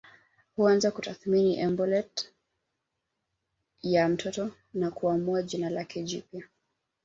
Huanza kutathimini embolet ya mtoto na kuamua jina lake jipya